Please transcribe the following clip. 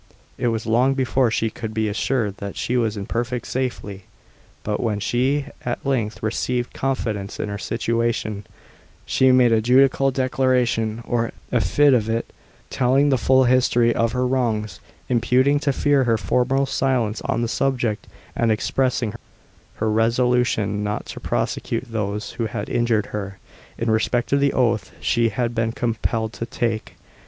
It was long before she could be assured that she was in perfect safely. But when she at length received confidence in her situation, she made a judicial declaration, or affidavit, telling the full history of her wrongs, imputing to fear her former silence on the subject, and expressing her resolution not to prosecute those who had injured her, in respect of the oath she had been compelled to take.